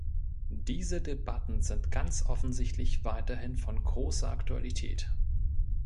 Diese Debatten sind ganz offensichtlich weiterhin von großer Aktualität.